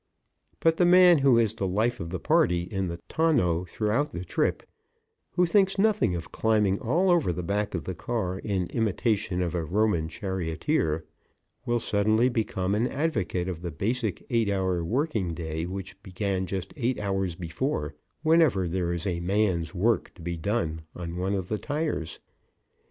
But the man who is the life of the party in the tonneau throughout the trip, who thinks nothing of climbing all over the back of the car in imitation of a Roman charioteer, will suddenly become an advocate of the basic eight hour working day which began just eight hours before, whenever there is a man's work to be done on one of the tires.